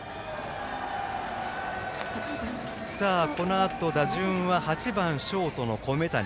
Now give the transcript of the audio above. このあと打順は８番ショートの米谷。